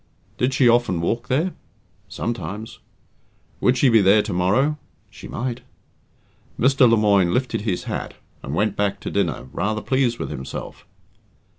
"Did she often walk there?" "Sometimes." "Would she be there tomorrow?" "She might." Mr. Lemoine lifted his hat, and went back to dinner, rather pleased with himself.